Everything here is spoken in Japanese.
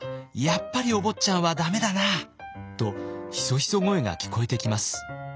やっぱりお坊ちゃんはダメだな」とひそひそ声が聞こえてきます。